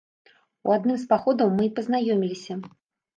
У адным з паходаў мы і пазнаёміліся.